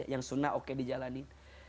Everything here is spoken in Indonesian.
yang sunnah oke dijalani